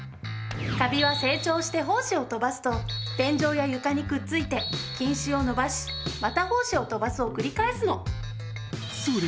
カビは成長して胞子を飛ばすと天井や床にくっついて菌糸を伸ばしまた胞子を飛ばすを繰り返すの。